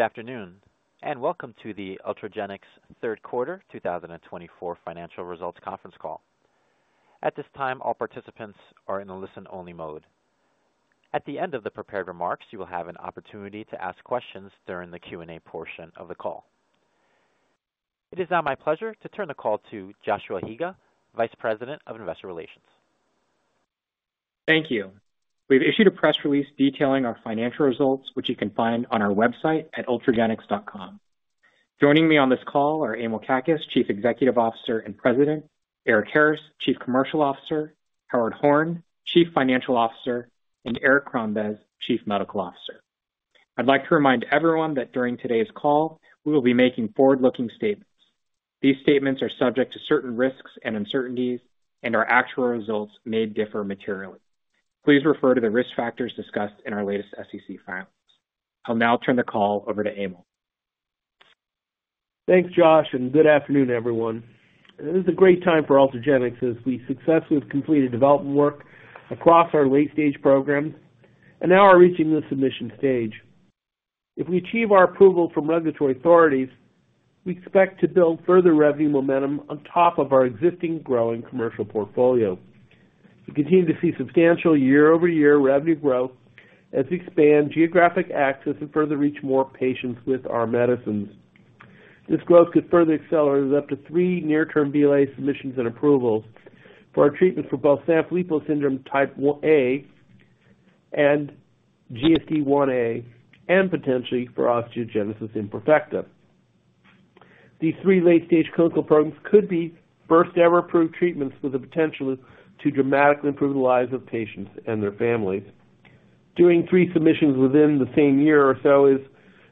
Good afternoon and welcome to the Ultragenyx third quarter 2024 financial results conference call. At this time, all participants are in a listen-only mode. At the end of the prepared remarks, you will have an opportunity to ask questions during the Q&A portion of the call. It is now my pleasure to turn the call to Joshua Higa, Vice President of Investor Relations. Thank you. We've issued a press release detailing our financial results, which you can find on our website at ultragenyx.com. Joining me on this call are Emil Kakkis, Chief Executive Officer and President, Eric Harris, Chief Commercial Officer, Howard Horn, Chief Financial Officer, and Eric Crombez, Chief Medical Officer. I'd like to remind everyone that during today's call, we will be making forward-looking statements. These statements are subject to certain risks and uncertainties, and our actual results may differ materially. Please refer to the risk factors discussed in our latest SEC filings. I'll now turn the call over to Emil. Thanks, Josh, and good afternoon, everyone. This is a great time for Ultragenyx as we successfully have completed development work across our late-stage program and now are reaching the submission stage. If we achieve our approval from regulatory authorities, we expect to build further revenue momentum on top of our existing growing commercial portfolio. We continue to see substantial year-over-year revenue growth as we expand geographic access and further reach more patients with our medicines. This growth could further accelerate up to three near-term BLA submissions and approvals for our treatment for both Sanfilippo syndrome Type A and GSDIa, and potentially for osteogenesis imperfecta. These three late-stage clinical programs could be first-ever approved treatments with the potential to dramatically improve the lives of patients and their families. Doing three submissions within the same year or so is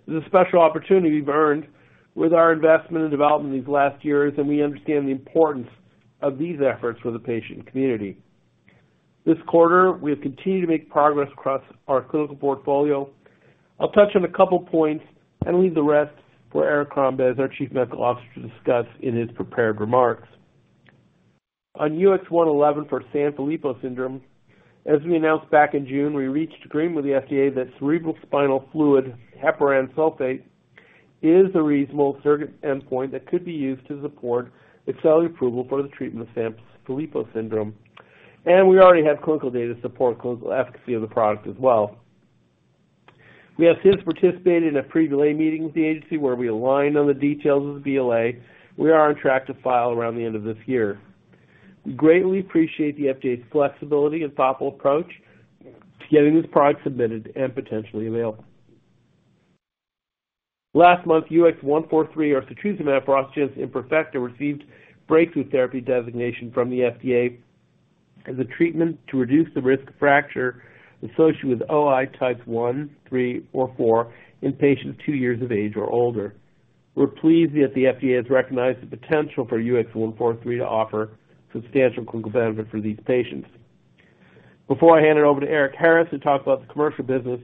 a special opportunity we've earned with our investment and development these last years, and we understand the importance of these efforts for the patient community. This quarter, we have continued to make progress across our clinical portfolio. I'll touch on a couple of points and leave the rest for Eric Crombez, our Chief Medical Officer, to discuss in his prepared remarks. On UX111 for Sanfilippo syndrome, as we announced back in June, we reached agreement with the FDA that cerebrospinal fluid heparan sulfate is a reasonable surrogate endpoint that could be used to support accelerated approval for the treatment of Sanfilippo syndrome, and we already have clinical data to support clinical efficacy of the product as well. We have since participated in a pre-BLA meeting with the agency where we aligned on the details of the BLA we are on track to file around the end of this year. We greatly appreciate the FDA's flexibility and thoughtful approach to getting this product submitted and potentially available. Last month, UX143, or setrusumab for osteogenesis imperfecta, received breakthrough therapy designation from the FDA as a treatment to reduce the risk of fracture associated with OI Type I, III or IV in patients two years of age or older. We're pleased that the FDA has recognized the potential for UX143 to offer substantial clinical benefit for these patients. Before I hand it over to Eric Harris to talk about the commercial business,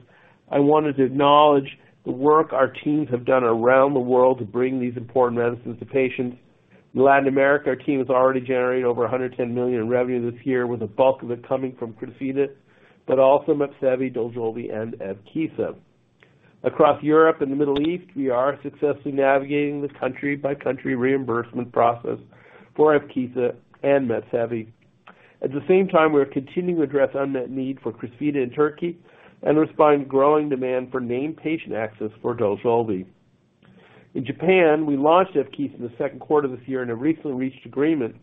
I wanted to acknowledge the work our teams have done around the world to bring these important medicines to patients. In Latin America, our team has already generated over $110 million in revenue this year, with the bulk of it coming from Crysvita, but also Mepsevii, Dojolvi, and Evkeeza. Across Europe and the Middle East, we are successfully navigating the country-by-country reimbursement process for Evkeeza and Mepsevii. At the same time, we are continuing to address the unmet need for Crysvita in Turkey and respond to growing demand for named patient access for Dojolvi. In Japan, we launched Evkeeza in the second quarter of this year and have recently reached agreement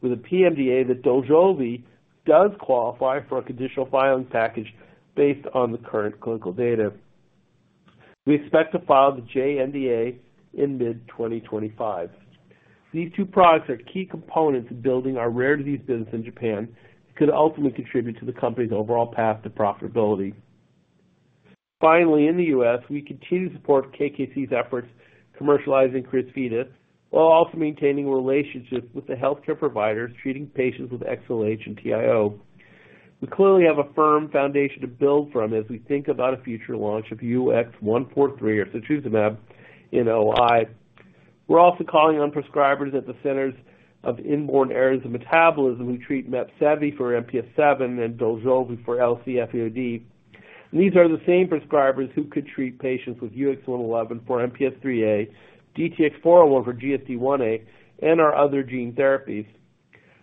with the PMDA that Dojolvi does qualify for a conditional filing package based on the current clinical data. We expect to file the JNDA in mid-2025. These two products are key components in building our rare disease business in Japan and could ultimately contribute to the company's overall path to profitability. Finally, in the U.S., we continue to support KKC's efforts commercializing Crysvita while also maintaining relationships with the healthcare providers treating patients with XLH and TIO. We clearly have a firm foundation to build from as we think about a future launch of UX143 or setrusumab in OI. We're also calling on prescribers at the Centers of Inborn Errors of Metabolism who treat Mepsevii for MPS VII and Dojolvi for LC-FAOD. These are the same prescribers who could treat patients with UX111 for MPS IIIA, DTX401 for GSDIa, and our other gene therapies.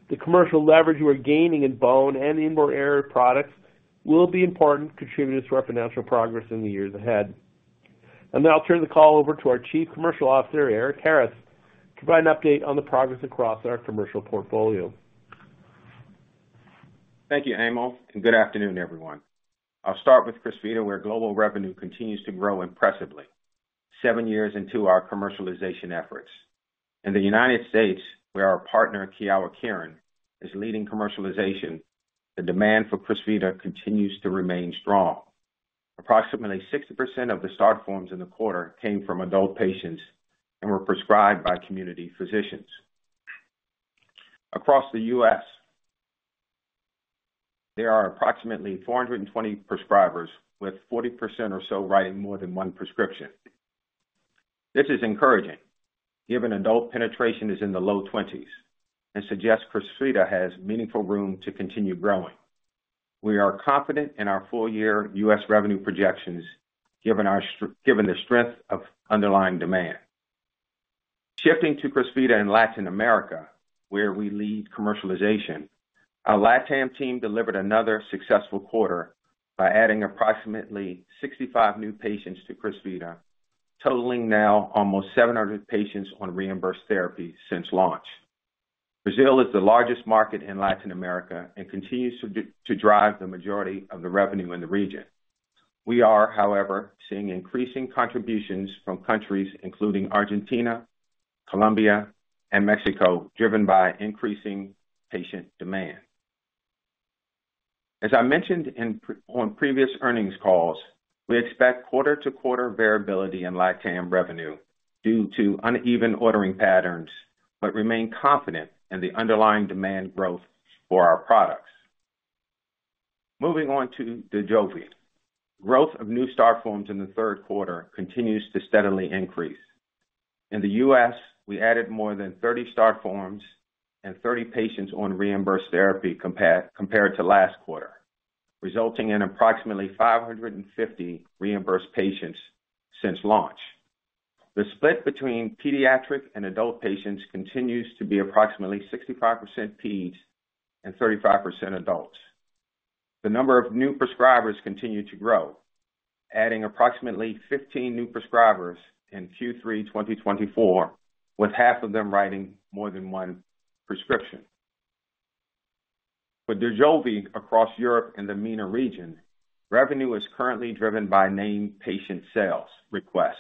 The commercial leverage we're gaining in bone and inborn error products will be important contributors to our financial progress in the years ahead. Now I'll turn the call over to our Chief Commercial Officer, Eric Harris, to provide an update on the progress across our commercial portfolio. Thank you, Emil, and good afternoon, everyone. I'll start with Crysvita, where global revenue continues to grow impressively, seven years into our commercialization efforts. In the United States, where our partner, Kyowa Kirin, is leading commercialization, the demand for Crysvita continues to remain strong. Approximately 60% of the start forms in the quarter came from adult patients and were prescribed by community physicians. Across the U.S., there are approximately 420 prescribers, with 40% or so writing more than one prescription. This is encouraging given adult penetration is in the low 20s and suggests Crysvita has meaningful room to continue growing. We are confident in our full-year U.S. revenue projections given the strength of underlying demand. Shifting to Crysvita in Latin America, where we lead commercialization, our LATAM team delivered another successful quarter by adding approximately 65 new patients to Crysvita, totaling now almost 700 patients on reimbursed therapy since launch. Brazil is the largest market in Latin America and continues to drive the majority of the revenue in the region. We are, however, seeing increasing contributions from countries including Argentina, Colombia, and Mexico, driven by increasing patient demand. As I mentioned on previous earnings calls, we expect quarter-to-quarter variability in LATAM revenue due to uneven ordering patterns, but remain confident in the underlying demand growth for our products. Moving on to Dojolvi, growth of new start forms in the third quarter continues to steadily increase. In the U.S., we added more than 30 start forms and 30 patients on reimbursed therapy compared to last quarter, resulting in approximately 550 reimbursed patients since launch. The split between pediatric and adult patients continues to be approximately 65% Peds and 35% adults. The number of new prescribers continued to grow, adding approximately 15 new prescribers in Q3 2024, with half of them writing more than one prescription. For Dojolvi across Europe and the MENA region, revenue is currently driven by named patient sales requests.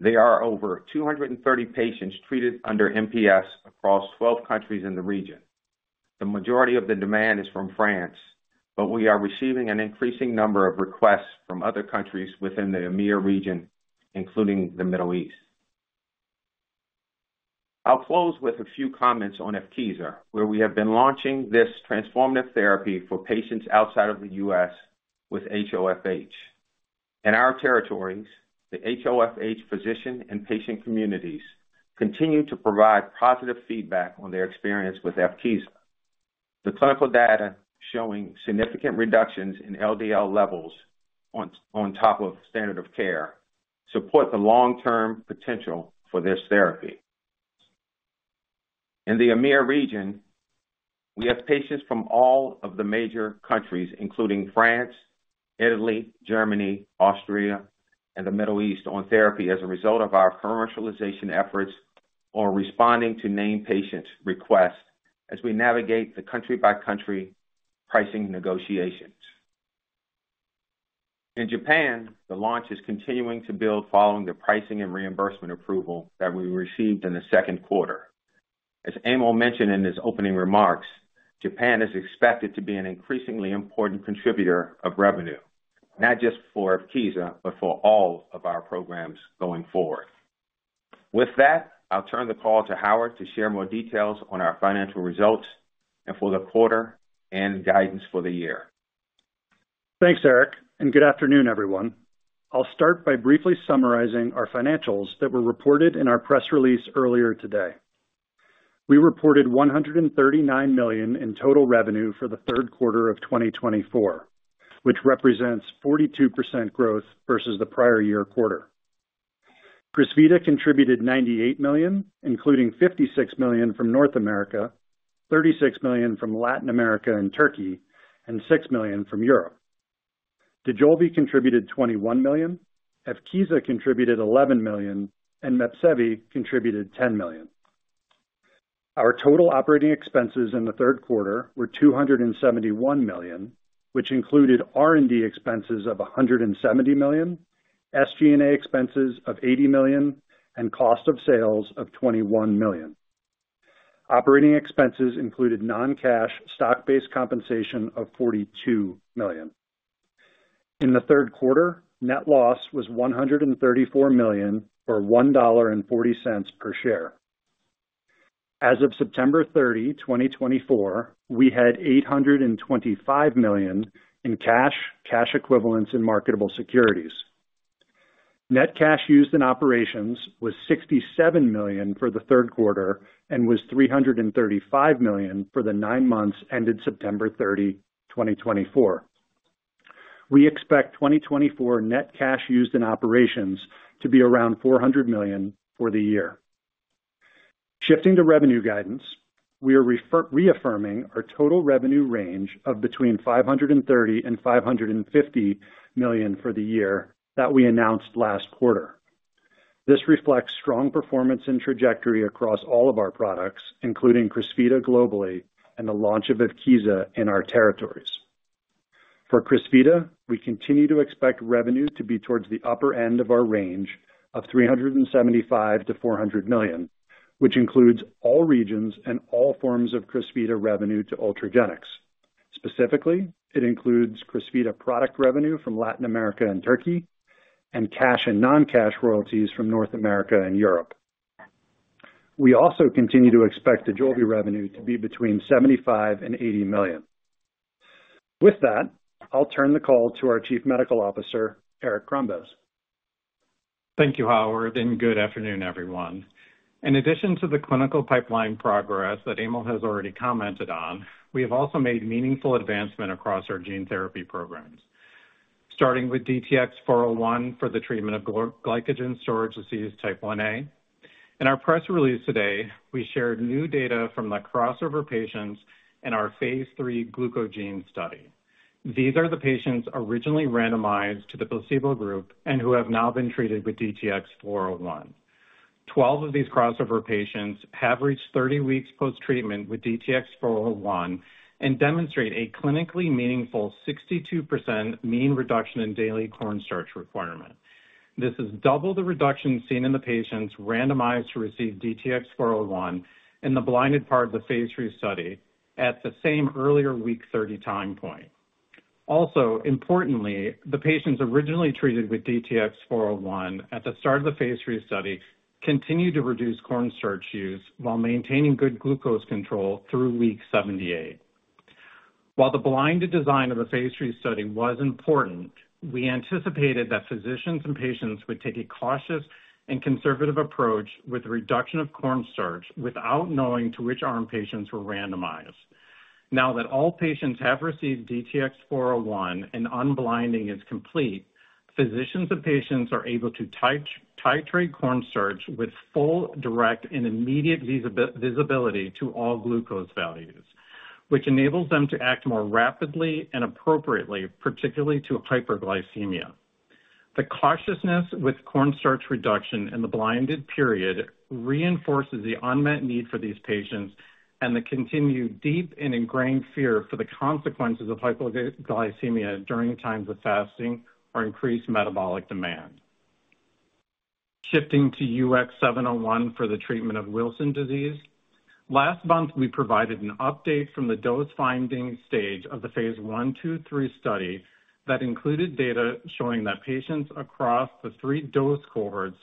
There are over 230 patients treated under MPS across 12 countries in the region. The majority of the demand is from France, but we are receiving an increasing number of requests from other countries within the EMEA region, including the Middle East. I'll close with a few comments on Evkeeza, where we have been launching this transformative therapy for patients outside of the U.S. with HOFH. In our territories, the HOFH physician and patient communities continue to provide positive feedback on their experience with Evkeeza. The clinical data showing significant reductions in LDL levels on top of standard of care support the long-term potential for this therapy. In the EMEA region, we have patients from all of the major countries, including France, Italy, Germany, Austria, and the Middle East, on therapy as a result of our commercialization efforts on responding to named patient requests as we navigate the country-by-country pricing negotiations. In Japan, the launch is continuing to build following the pricing and reimbursement approval that we received in the second quarter. As Emil mentioned in his opening remarks, Japan is expected to be an increasingly important contributor of revenue, not just for Evkeeza, but for all of our programs going forward. With that, I'll turn the call to Howard to share more details on our financial results and for the quarter and guidance for the year. Thanks, Eric, and good afternoon, everyone. I'll start by briefly summarizing our financials that were reported in our press release earlier today. We reported $139 million in total revenue for the third quarter of 2024, which represents 42% growth versus the prior year quarter. Crysvita contributed $98 million, including $56 million from North America, $36 million from Latin America and Turkey, and $6 million from Europe. Dojolvi contributed $21 million, Evkeeza contributed $11 million, and Mepsevii contributed $10 million. Our total operating expenses in the third quarter were $271 million, which included R&D expenses of $170 million, SG&A expenses of $80 million, and cost of sales of $21 million. Operating expenses included non-cash stock-based compensation of $42 million. In the third quarter, net loss was $134 million or $1.40 per share. As of September 30, 2024, we had $825 million in cash, cash equivalents, and marketable securities. Net cash used in operations was $67 million for the third quarter and was $335 million for the nine months ended September 30, 2024. We expect 2024 net cash used in operations to be around $400 million for the year. Shifting to revenue guidance, we are reaffirming our total revenue range of between $530 million and $550 million for the year that we announced last quarter. This reflects strong performance and trajectory across all of our products, including Crysvita globally and the launch of Evkeeza in our territories. For Crysvita, we continue to expect revenue to be towards the upper end of our range of $375 million-$400 million, which includes all regions and all forms of Crysvita revenue to Ultragenyx. Specifically, it includes Crysvita product revenue from Latin America and Turkey and cash and non-cash royalties from North America and Europe. We also continue to expect Dojolvi revenue to be between $75 million and $80 million. With that, I'll turn the call to our Chief Medical Officer, Eric Crombez. Thank you, Howard, and good afternoon, everyone. In addition to the clinical pipeline progress that Emil has already commented on, we have also made meaningful advancement across our gene therapy programs, starting with DTX401 for the treatment of glycogen storage disease Type 1A. In our press release today, we shared new data from the crossover patients in our Phase III GlucoGene study. These are the patients originally randomized to the placebo group and who have now been treated with DTX401. 12 of these crossover patients have reached 30 weeks post-treatment with DTX401 and demonstrate a clinically meaningful 62% mean reduction in daily cornstarch requirement. This is double the reduction seen in the patients randomized to receive DTX401 in the blinded part of the Phase III study at the same earlier week 30 time point. Also, importantly, the patients originally treated with DTX401 at the start of the Phase III study continued to reduce cornstarch use while maintaining good glucose control through week 78. While the blinded design of the Phase III study was important, we anticipated that physicians and patients would take a cautious and conservative approach with reduction of cornstarch without knowing to which arm patients were randomized. Now that all patients have received DTX401 and unblinding is complete, physicians and patients are able to titrate cornstarch with full, direct, and immediate visibility to all glucose values, which enables them to act more rapidly and appropriately, particularly to hyperglycemia. The cautiousness with cornstarch reduction in the blinded period reinforces the unmet need for these patients and the continued deep and ingrained fear for the consequences of hyperglycemia during times of fasting or increased metabolic demand. Shifting to UX701 for the treatment of Wilson disease, last month, we provided an update from the dose finding stage of the Phase I/II/III study that included data showing that patients across the three dose cohorts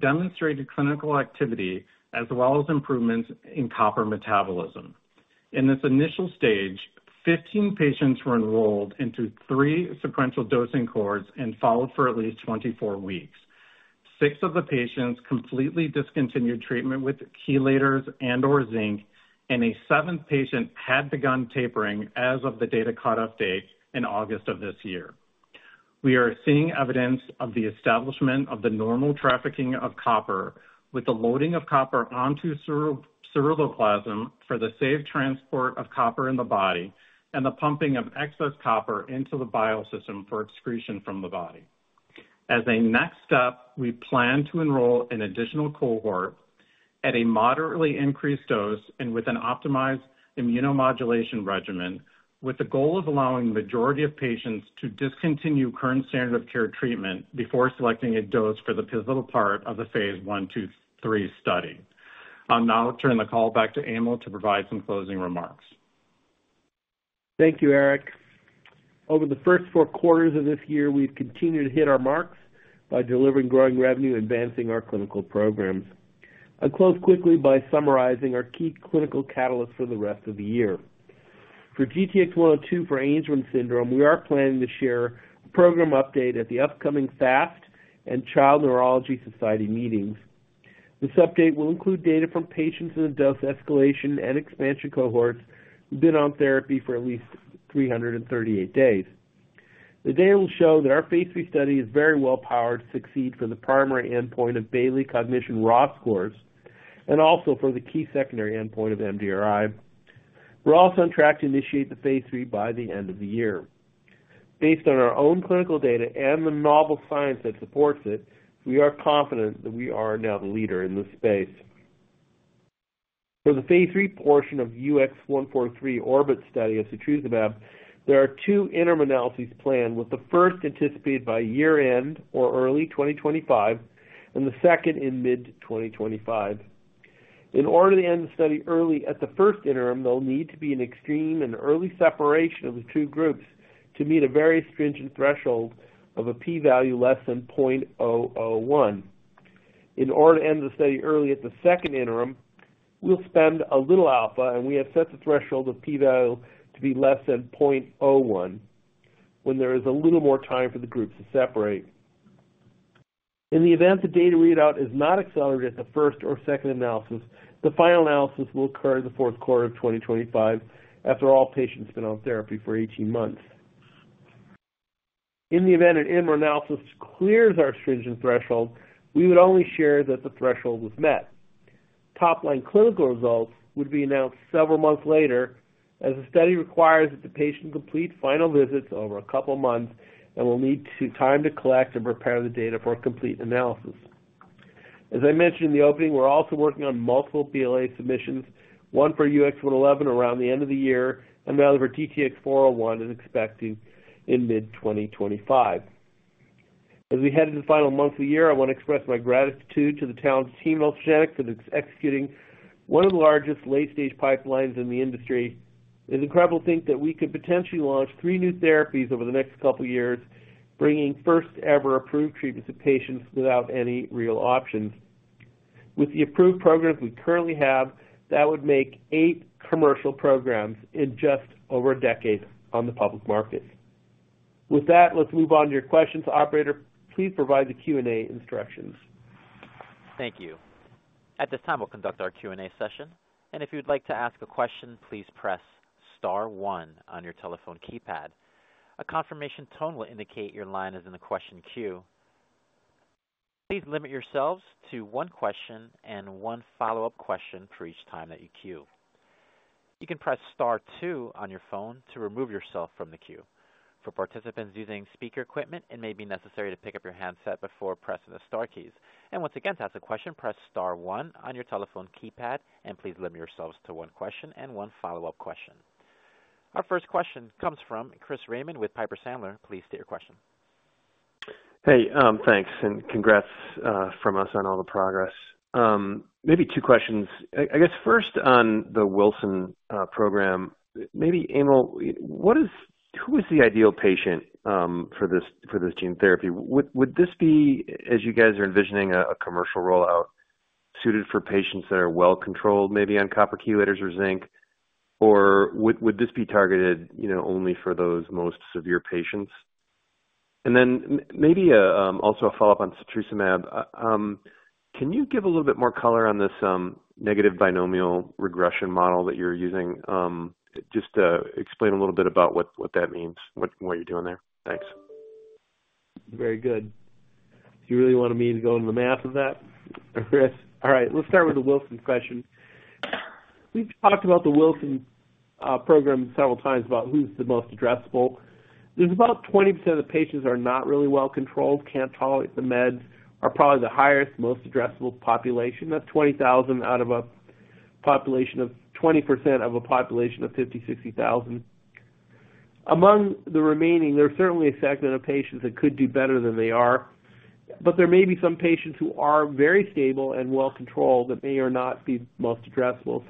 demonstrated clinical activity as well as improvements in copper metabolism. In this initial stage, 15 patients were enrolled into three sequential dosing cohorts and followed for at least 24 weeks. Six of the patients completely discontinued treatment with chelators and/or zinc, and a seventh patient had begun tapering as of the data cut-off date in August of this year. We are seeing evidence of the establishment of the normal trafficking of copper with the loading of copper onto ceruloplasmin for the safe transport of copper in the body and the pumping of excess copper into the bile system for excretion from the body. As a next step, we plan to enroll an additional cohort at a moderately increased dose and with an optimized immunomodulation regimen, with the goal of allowing the majority of patients to discontinue current standard of care treatment before selecting a dose for the pivotal part of the Phase I/II/III study. I'll now turn the call back to Emil to provide some closing remarks. Thank you, Eric. Over the first four quarters of this year, we've continued to hit our marks by delivering growing revenue and advancing our clinical programs. I'll close quickly by summarizing our key clinical catalysts for the rest of the year. For GTX-102 for Angelman syndrome, we are planning to share a program update at the upcoming FAST and Child Neurology Society meetings. This update will include data from patients in the dose escalation and expansion cohorts who've been on therapy for at least 338 days. The data will show that our Phase III study is very well-powered to succeed for the primary endpoint of Bayley Cognition Raw scores and also for the key secondary endpoint of MDRI. We're also on track to initiate the Phase III by the end of the year. Based on our own clinical data and the novel science that supports it, we are confident that we are now the leader in this space. For the Phase III portion of UX143 Orbit study of setrusumab, there are two interim analyses planned, with the first anticipated by year-end or early 2025 and the second in mid-2025. In order to end the study early at the first interim, there'll need to be an extreme and early separation of the two groups to meet a very stringent threshold of a p-value less than 0.001. In order to end the study early at the second interim, we'll spend a little alpha, and we have set the threshold of p-value to be less than 0.01 when there is a little more time for the groups to separate. In the event the data readout is not accelerated at the first or second analysis, the final analysis will occur in the fourth quarter of 2025 after all patients have been on therapy for 18 months. In the event an interim analysis clears our stringent threshold, we would only share that the threshold was met. Top-line clinical results would be announced several months later as the study requires that the patient complete final visits over a couple of months and will need time to collect and prepare the data for a complete analysis. As I mentioned in the opening, we're also working on multiple BLA submissions, one for UX111 around the end of the year, and another for DTX401, is expected in mid-2025. As we head into the final month of the year, I want to express my gratitude to the talented team at Ultragenyx for executing one of the largest late-stage pipelines in the industry. It's incredible to think that we could potentially launch three new therapies over the next couple of years, bringing first-ever approved treatments to patients without any real options. With the approved programs we currently have, that would make eight commercial programs in just over a decade on the public market. With that, let's move on to your questions, operator. Please provide the Q&A instructions. Thank you. At this time, we'll conduct our Q&A session and if you'd like to ask a question, please press star one on your telephone keypad. A confirmation tone will indicate your line is in the question queue. Please limit yourselves to one question and one follow-up question for each time that you queue. You can press star two on your phone to remove yourself from the queue. For participants using speaker equipment, it may be necessary to pick up your handset before pressing the star keys. Once again, to ask a question, press star one on your telephone keypad and please limit yourselves to one question and one follow-up question. Our first question comes from Chris Raymond with Piper Sandler. Please state your question. Hey, thanks, and congrats from us on all the progress. Maybe two questions. I guess first on the Wilson program, maybe, Emil, who is the ideal patient for this gene therapy? Would this be, as you guys are envisioning a commercial rollout, suited for patients that are well-controlled, maybe on copper chelators or zinc or would this be targeted only for those most severe patients? Then maybe also a follow-up on setrusumab. Can you give a little bit more color on this negative binomial regression model that you're using? Just explain a little bit about what that means, what you're doing there. Thanks. Very good. Do you really want me to go into the math of that, Chris? All right. Let's start with the Wilson question. We've talked about the Wilson program several times about who's the most addressable. There's about 20% of the patients that are not really well-controlled, can't tolerate the meds, are probably the highest, most addressable population. That's 20,000 out of a population of 20% of a population of 50,000-60,000. Among the remaining, there's certainly a segment of patients that could do better than they are. But there may be some patients who are very stable and well-controlled that may or not be most addressable.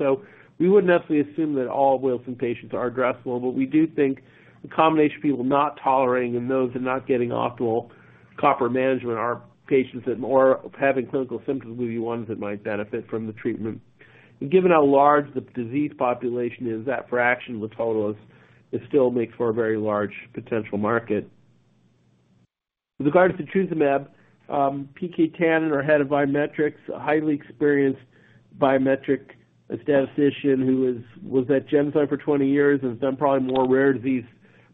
We wouldn't necessarily assume that all Wilson patients are addressable, but we do think a combination of people not tolerating and those that are not getting optimal copper management are patients that, or having clinical symptoms, would be ones that might benefit from the treatment. Given how large the disease population is, that fraction of the total still makes for a very large potential market. With regard to setrusumab, P.K. Tandon, our head of biometrics, a highly experienced biometric statistician who was at Genzyme for 20 years and has done probably more rare disease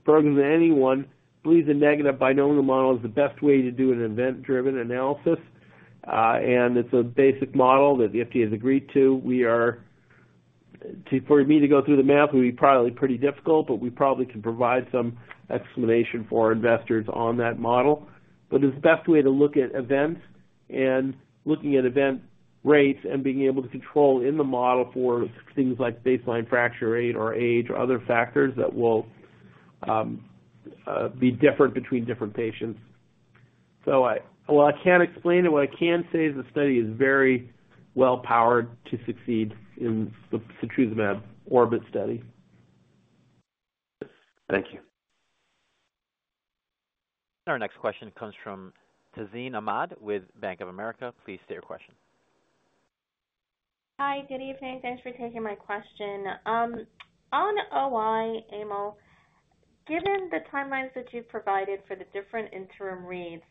programs than anyone, believes the negative binomial model is the best way to do an event-driven analysis, and it's a basic model that the FDA has agreed to. For me to go through the math would be probably pretty difficult, but we probably can provide some explanation for our investors on that model. But it's the best way to look at events and looking at event rates and being able to control in the model for things like baseline fracture rate or age or other factors that will be different between different patients. So while I can't explain it, what I can say is the study is very well-powered to succeed in the setrusumab Orbit study. Thank you. Our next question comes from Tazeen Ahmad with Bank of America. Please state your question. Hi, good evening. Thanks for taking my question. On OI, Emil, given the timelines that you've provided for the different interim reads,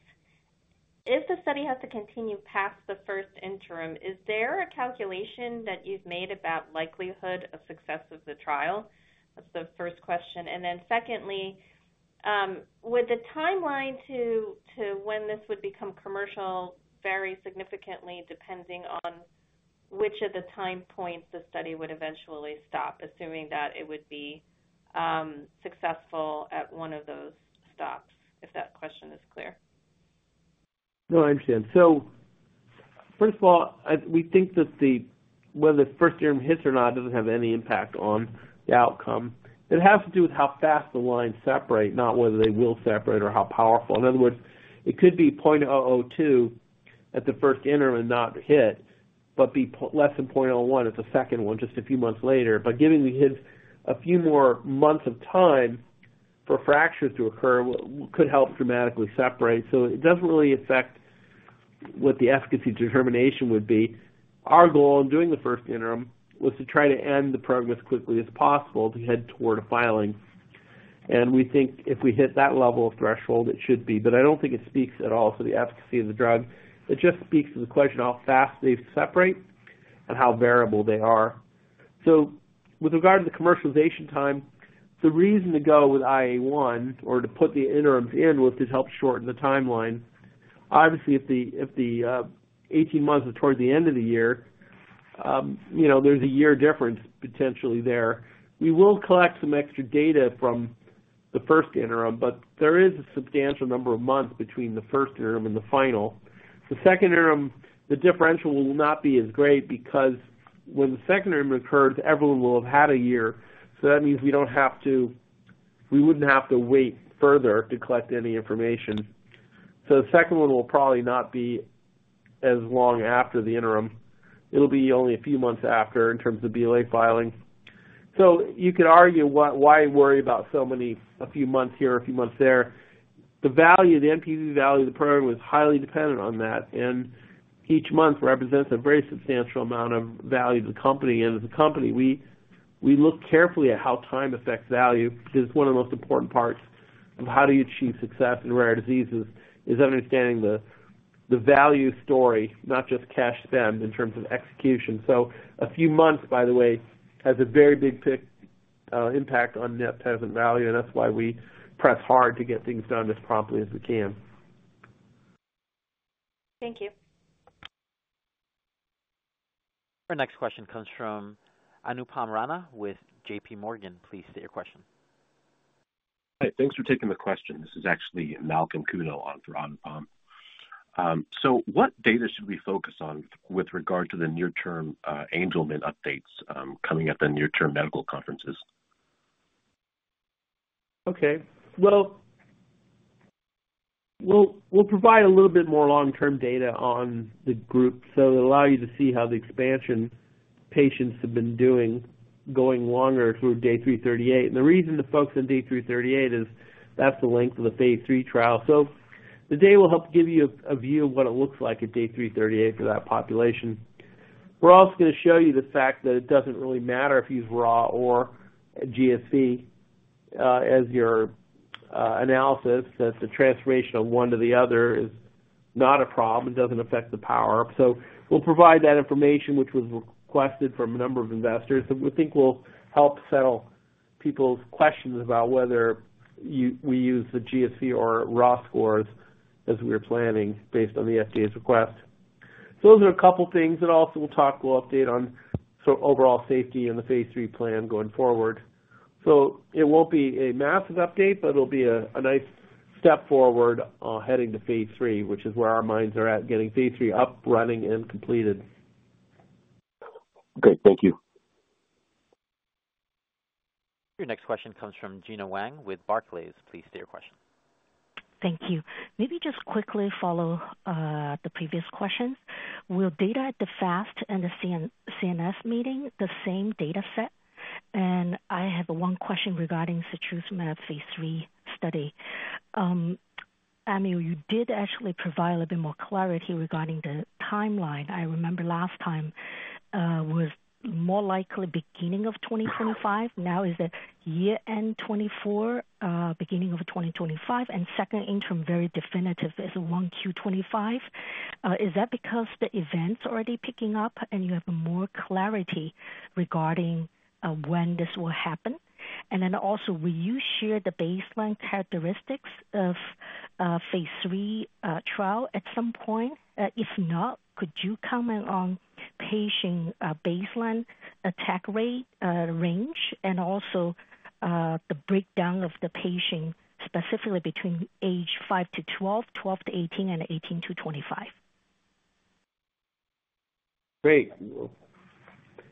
if the study has to continue past the first interim, is there a calculation that you've made about the likelihood of success of the trial? That's the first question. Then secondly, would the timeline to when this would become commercial vary significantly depending on which of the time points the study would eventually stop, assuming that it would be successful at one of those stops? If that question is clear. No, I understand. So first of all, we think that whether the first interim hits or not doesn't have any impact on the outcome. It has to do with how fast the lines separate, not whether they will separate or how powerful. In other words, it could be 0.002 at the first interim and not hit, but be less than 0.01 at the second one just a few months later. But giving the kids a few more months of time for fractures to occur could help dramatically separate. So it doesn't really affect what the efficacy determination would be. Our goal in doing the first interim was to try to end the program as quickly as possible to head toward a filing and we think if we hit that level of threshold, it should be. But I don't think it speaks at all to the efficacy of the drug. It just speaks to the question of how fast they separate and how variable they are. So with regard to the commercialization time, the reason to go with IA1 or to put the interims in was to help shorten the timeline. Obviously, if the 18 months are toward the end of the year, there's a year difference potentially there. We will collect some extra data from the first interim, but there is a substantial number of months between the first interim and the final. The second interim, the differential will not be as great because when the second interim occurs, everyone will have had a year. So that means we wouldn't have to wait further to collect any information. So the second one will probably not be as long after the interim. It'll be only a few months after in terms of BLA filing. So you could argue why worry about so many a few months here, a few months there. The value, the NPV value of the program is highly dependent on that and each month represents a very substantial amount of value to the company. As a company, we look carefully at how time affects value because it's one of the most important parts of how do you achieve success in rare diseases is understanding the value story, not just cash spend in terms of execution. So a few months, by the way, has a very big impact on net present value and that's why we press hard to get things done as promptly as we can. Thank you. Our next question comes from Anupam Rama with J.P. Morgan. Please state your question. Hi, thanks for taking the question. This is actually Malcolm Kuno on for Anupam Rama. So what data should we focus on with regard to the near-term Angelman updates coming at the near-term medical conferences? Okay. We'll provide a little bit more long-term data on the group. So it'll allow you to see how the expansion patients have been doing going longer through day 338. The reason to focus on day 338 is that's the length of the Phase III trial. So the data will help give you a view of what it looks like at day 338 for that population. We're also going to show you the fact that it doesn't really matter if you use RAW or GSV as your analysis, that the transformation of one to the other is not a problem and doesn't affect the power-up. So we'll provide that information, which was requested from a number of investors. So we think we'll help settle people's questions about whether we use the GSV or RAW scores as we're planning based on the FDA's request. Those are a couple of things. Also, we'll talk. We'll update on overall safety and the Phase III plan going forward. It won't be a massive update, but it'll be a nice step forward, heading to Phase III, which is where our minds are at, getting Phase III up, running, and completed. Great. Thank you. Your next question comes from Gena Wang with Barclays. Please state your question. Thank you. Maybe just quickly follow the previous questions. Will data at the FAST and the CNS meeting the same dataset? I have one question regarding setrusumab Phase III study. Emil, you did actually provide a little bit more clarity regarding the timeline. I remember last time was more likely beginning of 2025. Now is it year-end 2024, beginning of 2025 and second interim, very definitive, is 1Q25. Is that because the events are already picking up and you have more clarity regarding when this will happen? Then also, will you share the baseline characteristics of Phase III trial at some point? If not, could you comment on patient baseline attack rate range and also the breakdown of the patient specifically between age 5-12, 12-18, and 18-5? Great.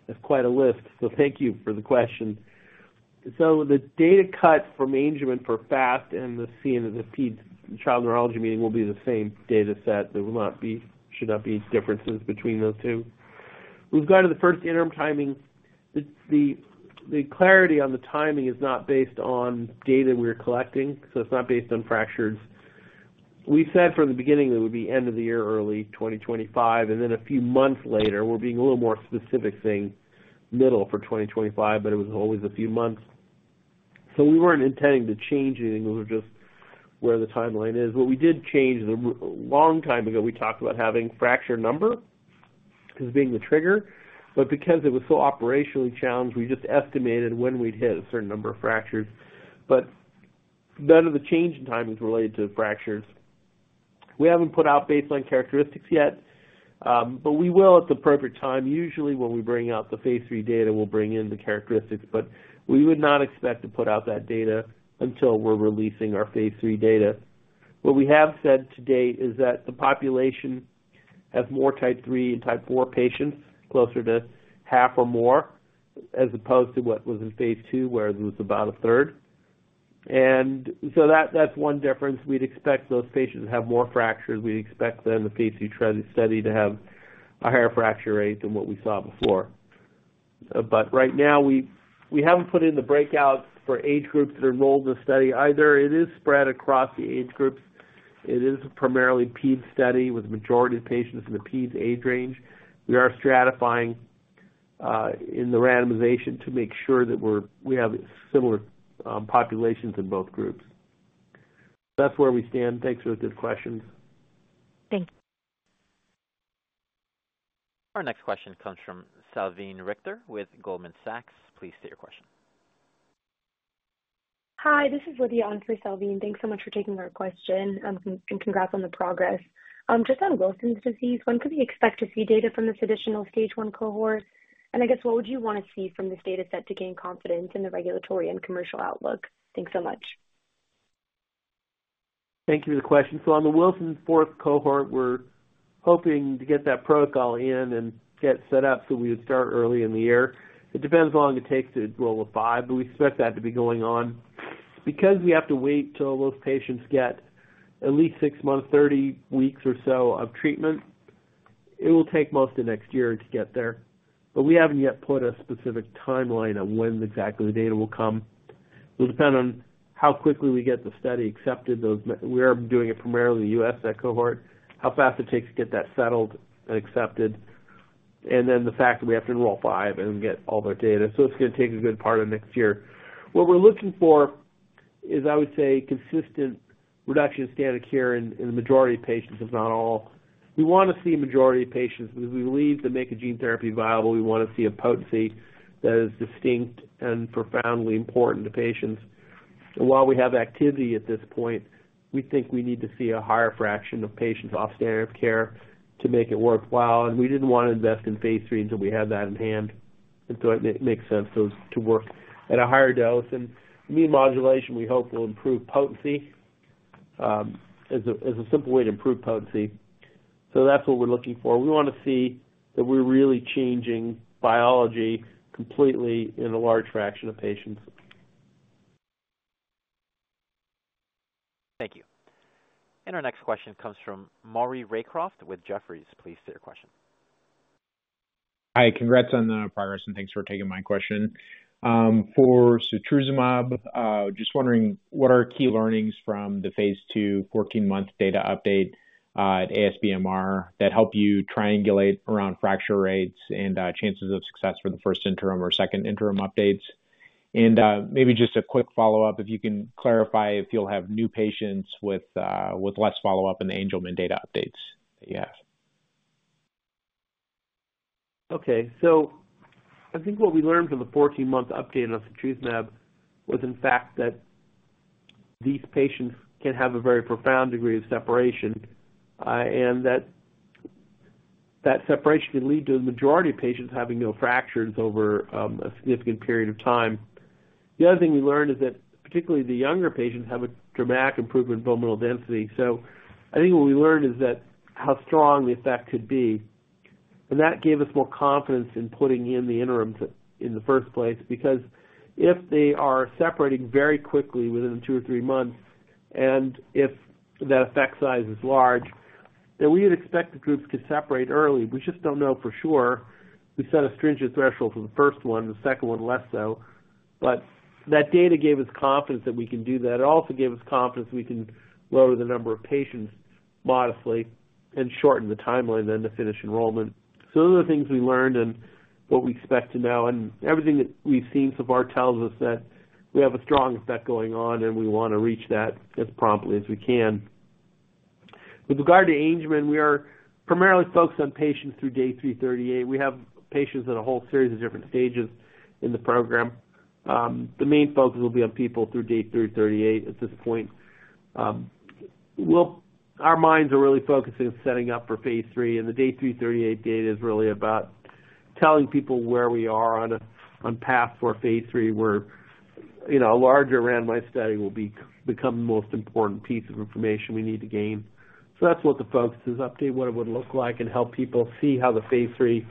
That's quite a list. So thank you for the question. So the data cut from Angelman for FAST and the CNS and the Peds child neurology meeting will be the same dataset. There should not be differences between those two. With regard to the first interim timing, the clarity on the timing is not based on data we're collecting. So it's not based on fractures. We said from the beginning it would be end of the year, early 2025. Then a few months later, we're being a little more specific saying middle for 2025, but it was always a few months. So we weren't intending to change anything. We were just where the timeline is. What we did change a long time ago, we talked about having fracture number as being the trigger. But because it was so operationally challenged, we just estimated when we'd hit a certain number of fractures. But none of the change in timing is related to fractures. We haven't put out baseline characteristics yet, but we will at the appropriate time. Usually, when we bring out the Phase III data, we'll bring in the characteristics. But we would not expect to put out that data until we're releasing our Phase III data. What we have said to date is that the population has more Type III and type 4 patients, closer to half or more, as opposed to what was in Phase II, where it was about a third. So that's one difference. We'd expect those patients to have more fractures. We'd expect then the Phase II study to have a higher fracture rate than what we saw before. But right now, we haven't put in the breakouts for age groups that enrolled in the study either. It is spread across the age groups. It is a primarily Peds study with the majority of patients in the Peds age range. We are stratifying in the randomization to make sure that we have similar populations in both groups. That's where we stand. Thanks for the good questions. Thank you. Our next question comes from Salveen Richter with Goldman Sachs. Please state your question. Hi, this is Lydia on for Salveen. Thanks so much for taking our question, and congrats on the progress. Just on Wilson's disease, when could we expect to see data from this additional stage one cohort, and I guess, what would you want to see from this dataset to gain confidence in the regulatory and commercial outlook? Thanks so much. Thank you for the question. So on the Wilson's fourth cohort, we're hoping to get that protocol in and get set up so we would start early in the year. It depends how long it takes to enroll five, but we expect that to be going on, because we have to wait till those patients get at least six months, 30 weeks or so of treatment, it will take most of next year to get there. But we haven't yet put a specific timeline on when exactly the data will come. It'll depend on how quickly we get the study accepted. We are doing it primarily in the U.S., that cohort, how fast it takes to get that settled and accepted. Then the fact that we have to enroll five and get all their data. So it's going to take a good part of next year. What we're looking for is, I would say, consistent reduction in standard of care in the majority of patients, if not all. We want to see a majority of patients because we believe to make a gene therapy viable, we want to see a potency that is distinct and profoundly important to patients. While we have activity at this point, we think we need to see a higher fraction of patients off standard of care to make it worthwhile and we didn't want to invest in Phase III if we had that in hand, and so it makes sense to work at a higher dose. Immune modulation, we hope will improve potency as a simple way to improve potency. So that's what we're looking for. We want to see that we're really changing biology completely in a large fraction of patients. Thank you. Our next question comes from Maury Raycroft with Jefferies. Please state your question. Hi. Congrats on the progress and thanks for taking my question. For setrusumab, just wondering what are key learnings from the Phase II 14-month data update at ASBMR that help you triangulate around fracture rates and chances of success for the first interim or second interim updates? Maybe just a quick follow-up, if you can clarify if you'll have new patients with less follow-up in the Angelman data updates that you have? Okay. So I think what we learned from the 14-month update on setrusumab was, in fact, that these patients can have a very profound degree of separation and that that separation can lead to the majority of patients having no fractures over a significant period of time. The other thing we learned is that particularly the younger patients have a dramatic improvement in bone mineral density. So I think what we learned is how strong the effect could be and that gave us more confidence in putting in the interims in the first place because if they are separating very quickly within two or three months and if that effect size is large, then we would expect the groups to separate early. We just don't know for sure. We set a stringent threshold for the first one, the second one less so. But that data gave us confidence that we can do that. It also gave us confidence we can lower the number of patients modestly and shorten the timeline then to finish enrollment. So those are the things we learned and what we expect to know and everything that we've seen so far tells us that we have a strong effect going on and we want to reach that as promptly as we can. With regard to Angelman, we are primarily focused on patients through day 338. We have patients at a whole series of different stages in the program. The main focus will be on people through day 338 at this point. Our minds are really focusing on setting up for Phase III. The day 338 data is really about telling people where we are on path for Phase III, where a larger randomized study will become the most important piece of information we need to gain. That's what the focus is: update what it would look like and help people see how the Phase III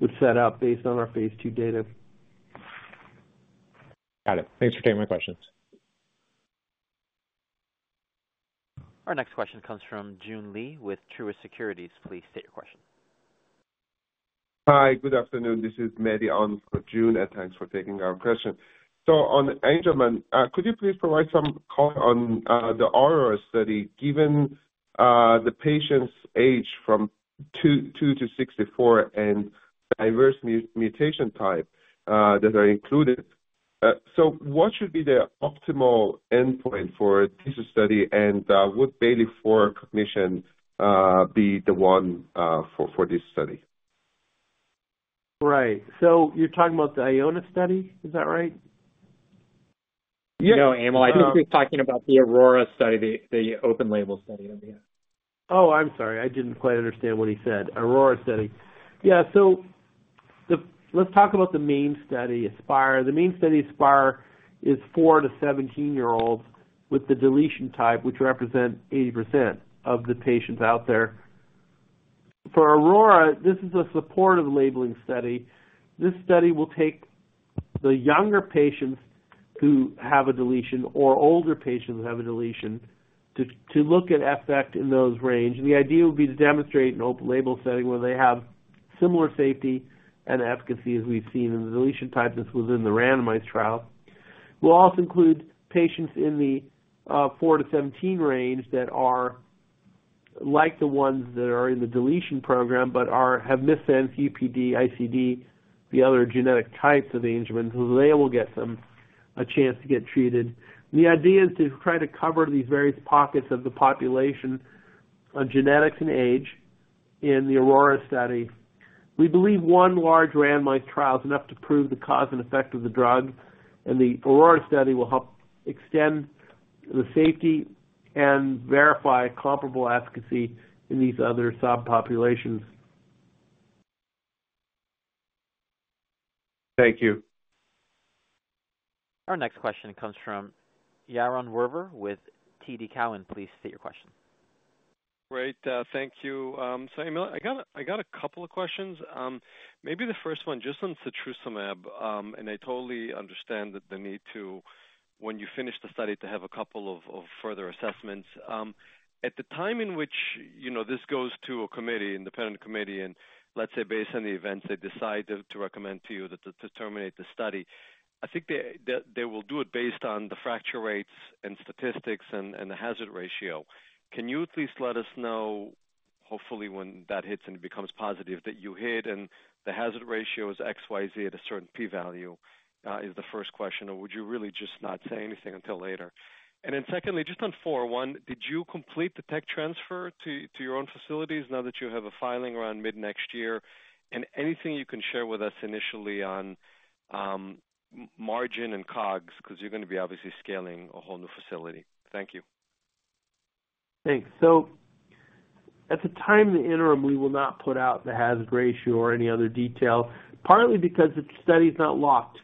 would set up based on our Phase II data. Got it. Thanks for taking my questions. Our next question comes from Joon Lee with Truist Securities. Please state your question. Hi, good afternoon. This is Mehdi Goudarzi for Joon. Thanks for taking our question. So on Angelman, could you please provide some color on the Aurora study given the patients' age from 2-64 and diverse mutation types that are included? So what should be the optimal endpoint for this study and would Bayley-4 cognition be the one for this study? Right. So you're talking about the Aurora study? Is that right? No, Emil. I think you're talking about the Aurora study, the open label study that we have. Oh, I'm sorry. I didn't quite understand what he said. Aurora study. Yeah. So let's talk about the main study, Aspire. The main study, Aspire, is four to 17-year-olds with the deletion type, which represents 80% of the patients out there. For Aurora, this is a supportive labeling study. This study will take the younger patients who have a deletion or older patients who have a deletion to look at effect in those range. The idea would be to demonstrate an open label setting where they have similar safety and efficacy as we've seen in the deletion type that's within the randomized trial. We'll also include patients in the 4-17 range that are like the ones that are in the deletion program but have UPD, ICD, the other genetic types of Angelman, so they will get a chance to get treated. The idea is to try to cover these various pockets of the population on genetics and age in the Aurora study. We believe one large randomized trial is enough to prove the cause and effect of the drug and the Aurora study will help extend the safety and verify comparable efficacy in these other subpopulations. Thank you. Our next question comes from Yaron Werber with TD Cowen. Please state your question. Great. Thank you. So Emil, I got a couple of questions. Maybe the first one just on setrusumab, and I totally understand the need to, when you finish the study, to have a couple of further assessments. At the time in which this goes to a committee, independent committee, and let's say based on the events, they decide to recommend to you to terminate the study, I think they will do it based on the fracture rates and statistics and the hazard ratio. Can you at least let us know, hopefully when that hits and it becomes positive, that you hit and the hazard ratio is X, Y, Z at a certain P value is the first question or would you really just not say anything until later? Then secondly, just on 401, did you complete the tech transfer to your own facilities now that you have a filing around mid-next year? Anything you can share with us initially on margin and COGS because you're going to be obviously scaling a whole new facility. Thank you. Thanks, so at the time of the interim, we will not put out the hazard ratio or any other detail, partly because the study is not locked.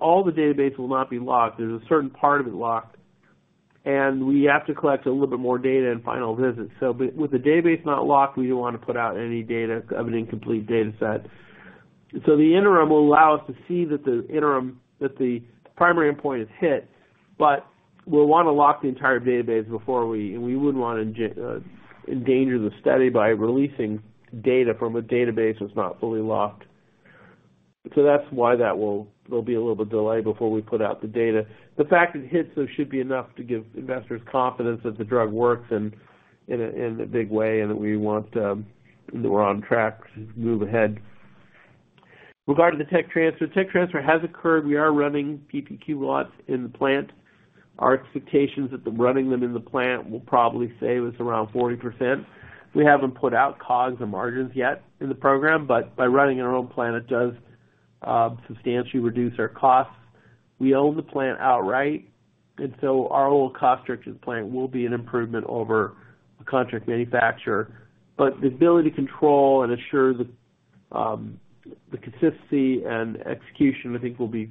All the database will not be locked. There's a certain part of it locked, and we have to collect a little bit more data in final visits, so with the database not locked, we don't want to put out any data of an incomplete dataset. The interim will allow us to see that the primary endpoint is hit, but we'll want to lock the entire database before we, and we wouldn't want to endanger the study by releasing data from a database that's not fully locked, so that's why there'll be a little bit of delay before we put out the data. The fact it hits, though, should be enough to give investors confidence that the drug works in a big way and that we want to know we're on track to move ahead. With regard to the tech transfer, tech transfer has occurred. We are running PPQ lots in the plant. Our expectations that running them in the plant will probably save us around 40%. We haven't put out COGS or margins yet in the program, but by running our own plant, it does substantially reduce our costs. We own the plant outright. So our whole cost structure in the plant will be an improvement over a contract manufacturer. But the ability to control and assure the consistency and execution, I think, will be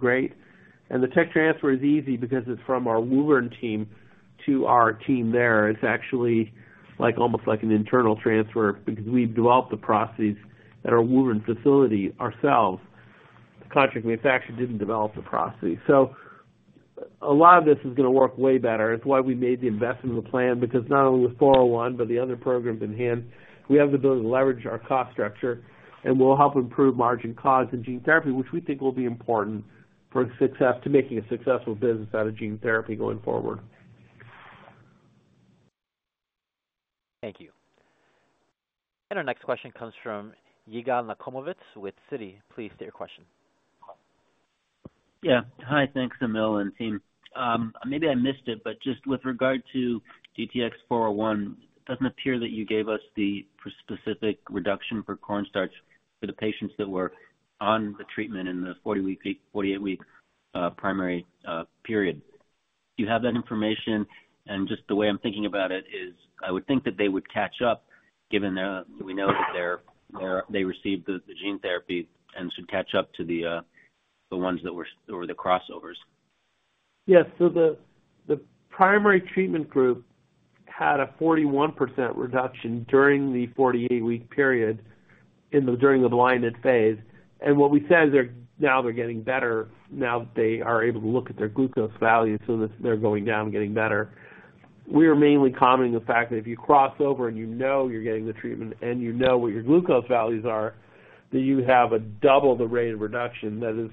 great. The tech transfer is easy because it's from our Woburn team to our team there. It's actually almost like an internal transfer because we've developed the processes at our own facility ourselves. The contract manufacturer didn't develop the processes. So a lot of this is going to work way better. It's why we made the investment in the plant because not only with 401, but the other programs in hand, we have the ability to leverage our cost structure and we'll help improve margin costs in gene therapy, which we think will be important for making a successful business out of gene therapy going forward. Thank you, and our next question comes from Yigal Nochomovitz with Citi. Please state your question. Yeah. Hi. Thanks, Emil and team. Maybe I missed it, but just with regard to DTX401, it doesn't appear that you gave us the specific reduction for cornstarch for the patients that were on the treatment in the 40-week, 48-week primary period. Do you have that information? Just the way I'm thinking about it is I would think that they would catch up given we know that they received the gene therapy and should catch up to the ones that were the crossovers. Yes. So the primary treatment group had a 41% reduction during the 48-week period during the blinded phase, and what we said is now they're getting better now that they are able to look at their glucose values so that they're going down and getting better. We are mainly commenting the fact that if you cross over and you know you're getting the treatment and you know what your glucose values are, then you have a double the rate of reduction. That is,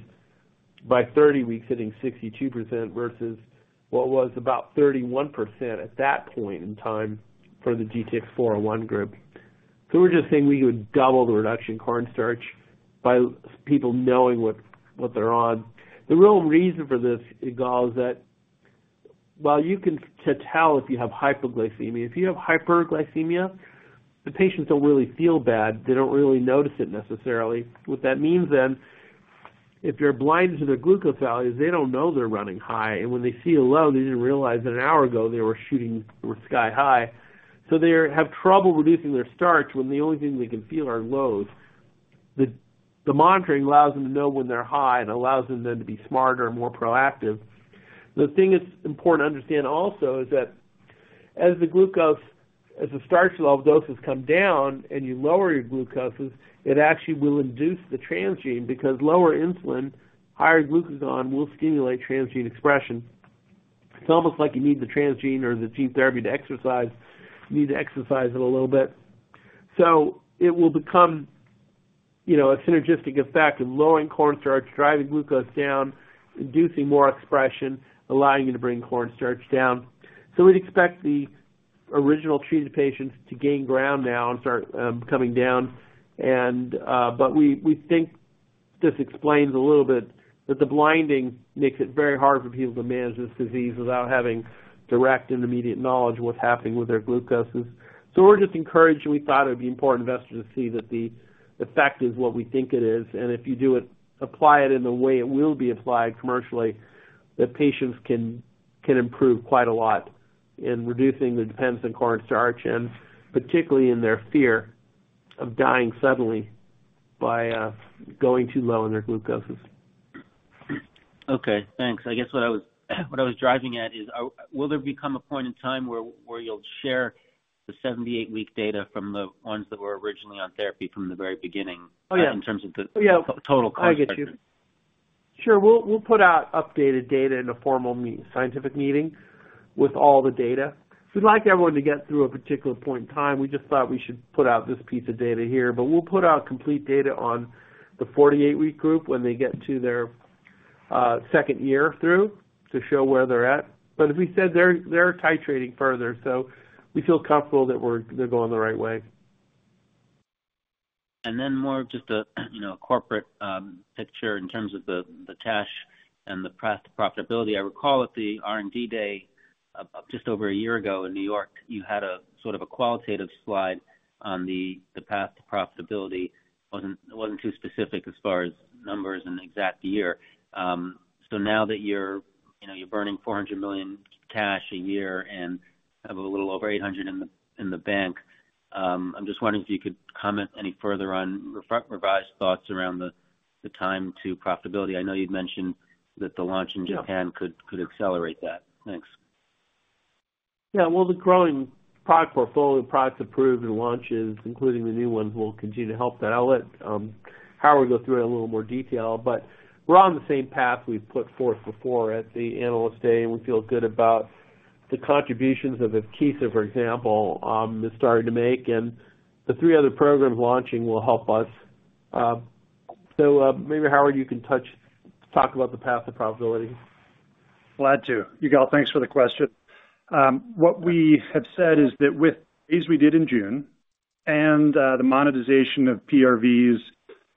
by 30 weeks, hitting 62% versus what was about 31% at that point in time for the DTX401 group. So we're just saying we would double the reduction in cornstarch by people knowing what they're on. The real reason for this, Yigal, is that while you can tell if you have hypoglycemia, if you have hyperglycemia, the patients don't really feel bad. They don't really notice it necessarily. What that means then, if they're blinded to their glucose values, they don't know they're running high, and when they see a low, they didn't realize that an hour ago they were shooting sky high, so they have trouble reducing their starch when the only thing they can feel are lows. The monitoring allows them to know when they're high and allows them then to be smarter and more proactive. The thing that's important to understand also is that as the glucose, as the starch level doses come down and you lower your glucoses, it actually will induce the transgene because lower insulin, higher glucose on will stimulate transgene expression. It's almost like you need the transgene or the gene therapy to exercise. You need to exercise it a little bit. So it will become a synergistic effect of lowering cornstarch, driving glucose down, inducing more expression, allowing you to bring cornstarch down. So we'd expect the original treated patients to gain ground now and start coming down. But we think this explains a little bit that the blinding makes it very hard for people to manage this disease without having direct and immediate knowledge of what's happening with their glucoses. So we're just encouraged and we thought it would be important for investors to see that the effect is what we think it is and if you apply it in the way it will be applied commercially, that patients can improve quite a lot in reducing the dependence on cornstarch and particularly in their fear of dying suddenly by going too low on their glucoses. Okay. Thanks. I guess what I was driving at is will there become a point in time where you'll share the 78-week data from the ones that were originally on therapy from the very beginning in terms of the total cost stretch? Oh, yeah. Sure. We'll put out updated data in a formal scientific meeting with all the data. We'd like everyone to get through a particular point in time. We just thought we should put out this piece of data here. But we'll put out complete data on the 48-week group when they get to their second year through to show where they're at. But as we said, they're titrating further. So we feel comfortable that they're going the right way. Then more of just a corporate picture in terms of the cash and the profitability. I recall at the R&D day just over a year ago in New York, you had a sort of a qualitative slide on the path to profitability. It wasn't too specific as far as numbers and exact year. So now that you're burning $400 million in cash a year and have a little over $800 million in the bank, I'm just wondering if you could comment any further on revised thoughts around the time to profitability. I know you'd mentioned that the launch in Japan could accelerate that. Thanks. Yeah. Well, the growing product portfolio, products approved and launches, including the new ones, will continue to help that. I'll let Howard go through it in a little more detail. But we're on the same path we've put forth before at the analyst day and we feel good about the contributions that Evkeeza, for example, is starting to make. The three other programs launching will help us. So maybe Howard, you can talk about the path to profitability. Glad to. Yigal, thanks for the question. What we have said is that with these we did in June and the monetization of PRVs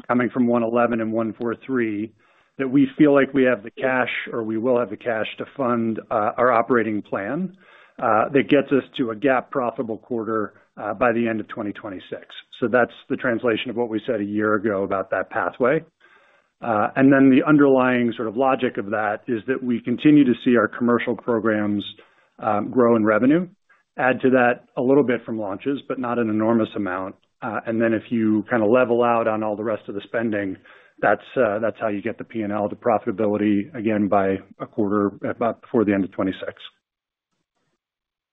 coming from UX111 and UX143, that we feel like we have the cash or we will have the cash to fund our operating plan that gets us to a GAAP profitable quarter by the end of 2026. So that's the translation of what we said a year ago about that pathway. Then the underlying sort of logic of that is that we continue to see our commercial programs grow in revenue, add to that a little bit from launches, but not an enormous amount. Then if you kind of level out on all the rest of the spending, that's how you get the P&L, the profitability, again, by a quarter before the end of 2026.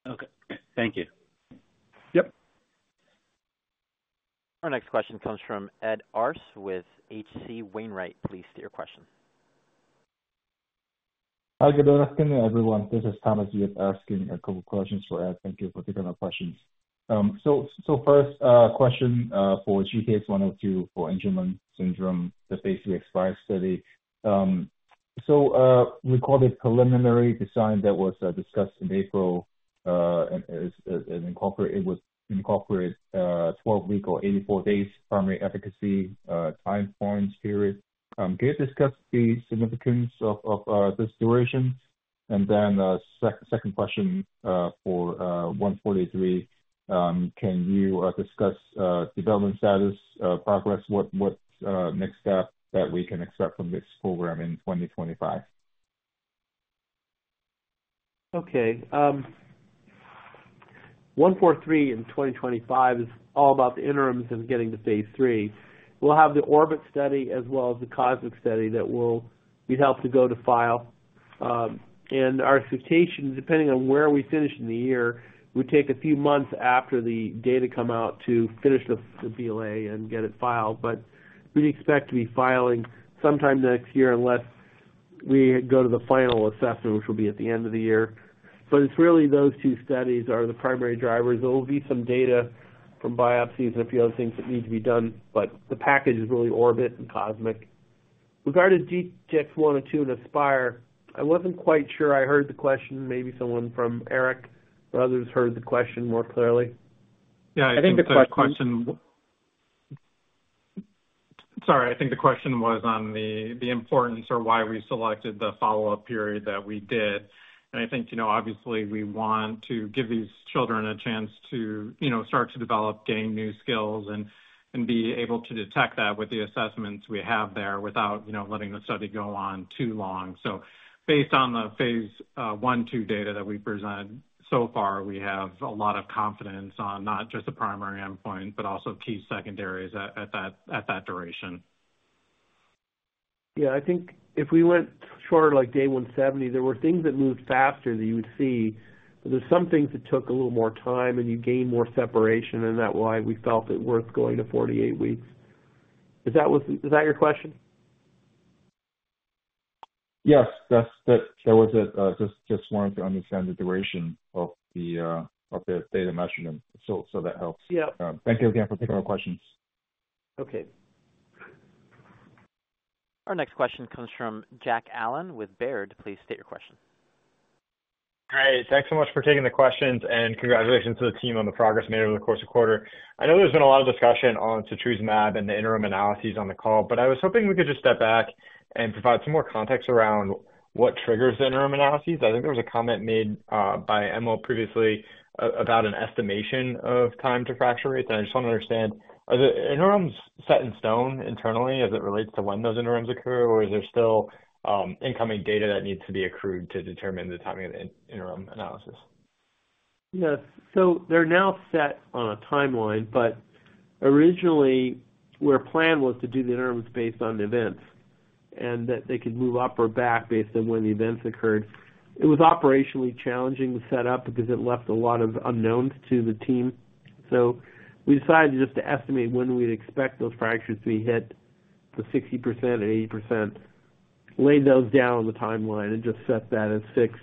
Okay. Thank you. Yep. Our next question comes from Ed Arce with H.C. Wainwright. Please state your question. Hi again. Good afternoon, everyone. This is Thomas with H.C. Wainwright giving a couple of questions for Ed. Thank you for taking my questions. So first question for GTX-102 for Angelman syndrome, the Phase III Aspire study. So the preliminary design that was discussed in April. It incorporates 12-week or 84 days primary efficacy time points. Can you discuss the significance of this duration? Then second question for UX143, can you discuss development status, progress, what next step that we can expect from this program in 2025? Okay. UX143 in 2025 is all about the interims and getting to Phase III. We'll have the Orbit study as well as the Cosmic study that will be helped to go to file, and our expectation, depending on where we finish in the year, would take a few months after the data come out to finish the BLA and get it filed, but we'd expect to be filing sometime next year unless we go to the final assessment, which will be at the end of the year. But it's really those two studies that are the primary drivers. There will be some data from biopsies and a few other things that need to be done. But the package is really Orbit and Cosmic. With regard to GTX-102 and Aspire, I wasn't quite sure I heard the question. Maybe someone from Eric or others heard the question more clearly. Yeah. I think the question. Sorry. I think the question was on the importance or why we selected the follow-up period that we did, and I think, obviously, we want to give these children a chance to start to develop, gain new skills, and be able to detect that with the assessments we have there without letting the study go on too long, so based on the Phase I/II data that we presented so far, we have a lot of confidence on not just the primary endpoint, but also key secondaries at that duration. Yeah. I think if we went short of like day 170, there were things that moved faster that you would see. But there's some things that took a little more time and you gain more separation and that's why we felt it worth going to 48 weeks. Is that your question? Yes. That's it. Just wanted to understand the duration of the data measurement. So that helps. Thank you again for taking our questions. Okay. Our next question comes from Jack Allen with Baird. Please state your question. Great. Thanks so much for taking the questions, and congratulations to the team on the progress made over the course of the quarter. I know there's been a lot of discussion on setrusumab and the interim analyses on the call. But I was hoping we could just step back and provide some more context around what triggers the interim analyses. I think there was a comment made by Emil previously about an estimation of time to fracture rate and I just want to understand, are the interims set in stone internally as it relates to when those interims occur or is there still incoming data that needs to be accrued to determine the timing of the interim analysis? Yes, so they're now set on a timeline, but originally, the plan was to do the interims based on the events and that they could move up or back based on when the events occurred. It was operationally challenging to set up because it left a lot of unknowns to the team. So we decided just to estimate when we'd expect those fractures to be hit, the 60% and 80%, laid those down on the timeline and just set that as fixed.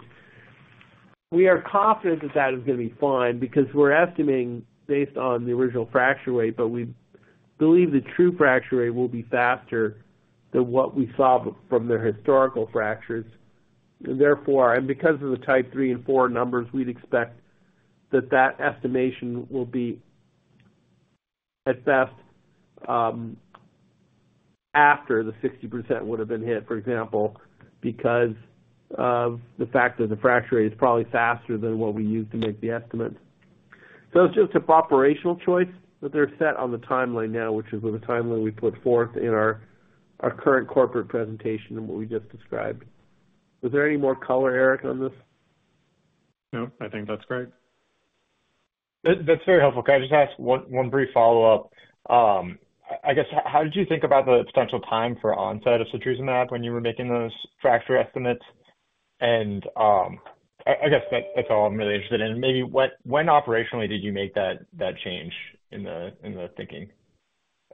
We are confident that that is going to be fine because we're estimating based on the original fracture rate. But we believe the true fracture rate will be faster than what we saw from their historical fractures and because of the Type III and IV numbers, we'd expect that that estimation will be at best after the 60% would have been hit, for example, because of the fact that the fracture rate is probably faster than what we used to make the estimates. So it's just an operational choice that they're set on the timeline now, which is with the timeline we put forth in our current corporate presentation and what we just described. Was there any more color, Eric, on this? No. I think that's great. That's very helpful. Can I just ask one brief follow-up? I guess, how did you think about the potential time for onset of setrusumab when you were making those fracture estimates? I guess that's all I'm really interested in. Maybe when operationally did you make that change in the thinking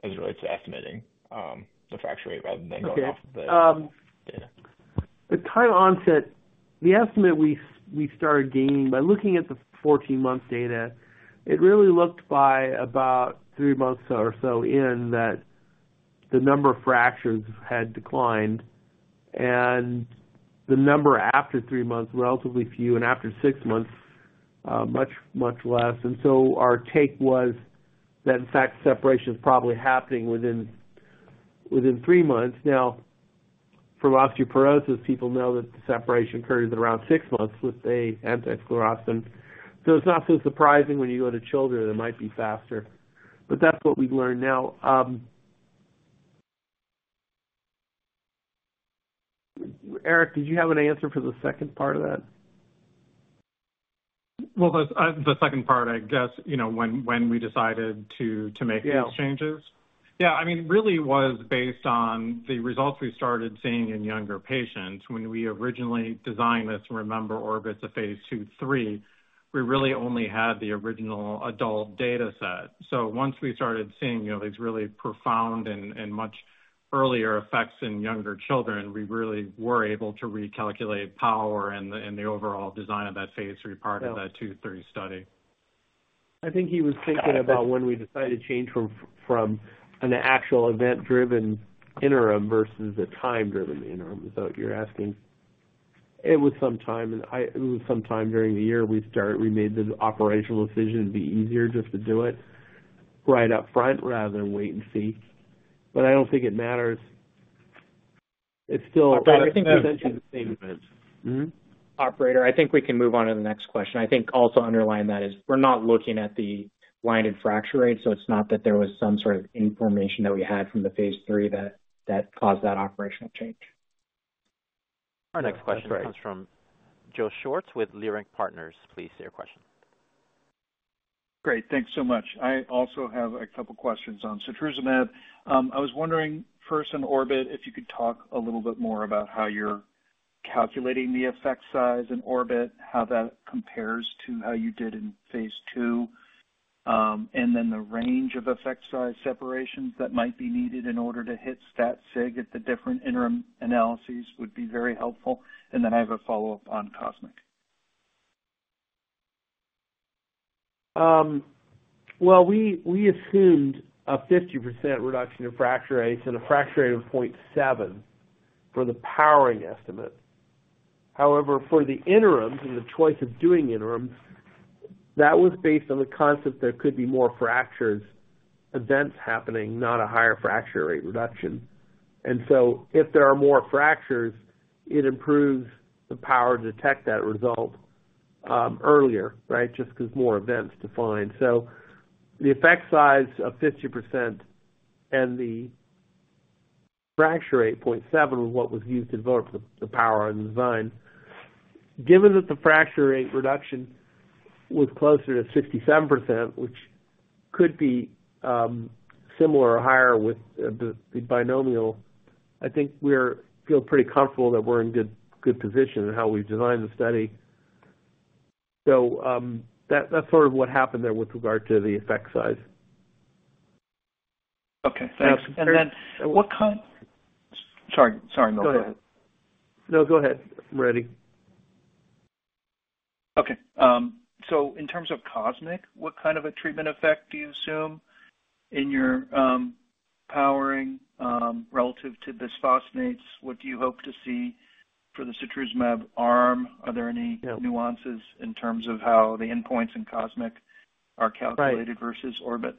as it relates to estimating the fracture rate rather than going off the data? Okay. The time onset, the estimate we started gaining by looking at the 14-month data, it really looked by about three months or so in that the number of fractures had declined and the number after three months, relatively few. After six months, much, much less. So our take was that, in fact, separation is probably happening within three months. Now, for osteoporosis, people know that the separation occurs at around six months with an anti-sclerostin. So it's not so surprising when you go to children that it might be faster. But that's what we've learned now. Eric, did you have an answer for the second part of that? Well, the second part, I guess, when we decided to make these changes? Yeah. Yeah. I mean, really it was based on the results we started seeing in younger patients. When we originally designed this, remember, Orbit's Phase II/III, we really only had the original adult data set. So once we started seeing these really profound and much earlier effects in younger children, we really were able to recalculate power and the overall design of that Phase III part of that II/III study. I think he was thinking about when we decided to change from an actual event-driven interim versus a time-driven interim. Is that what you're asking? It was some time during the year we made the operational decision to be easier just to do it right up front rather than wait and see. But I don't think it matters. It's still. I think we're. Essentially the same event. Operator, I think we can move on to the next question. I think also underlying that is we're not looking at the blinded fracture rate. So it's not that there was some sort of information that we had from the Phase III that caused that operational change. Our next question comes from Joe Schwartz with Leerink Partners. Please state your question. Great. Thanks so much. I also have a couple of questions on setrusumab. I was wondering first in Orbit if you could talk a little bit more about how you're calculating the effect size in Orbit, how that compares to how you did in Phase II, and then the range of effect size separations that might be needed in order to hit stat sig at the different interim analyses would be very helpful. Then I have a follow-up on Cosmic. We assumed a 50% reduction in fracture rates and a fracture rate of 0.7 for the powering estimate. However, for the interims and the choice of doing interims, that was based on the concept that there could be more fracture events happening, not a higher fracture rate reduction. So if there are more fractures, it improves the power to detect that result earlier, right, just because more events to find. So the effect size of 50% and the fracture rate 0.7 was what was used to develop the power and design. Given that the fracture rate reduction was closer to 67%, which could be similar or higher with the binomial, I think we feel pretty comfortable that we're in good position in how we've designed the study. So that's sort of what happened there with regard to the effect size. Okay. Thanks. Then what kind? Sorry. Go ahead. No, go ahead. I'm ready. Okay. So in terms of Cosmic, what kind of a treatment effect do you assume in your powering relative to bisphosphonates? What do you hope to see for the setrusumab arm? Are there any nuances in terms of how the endpoints in Cosmic are calculated versus Orbit?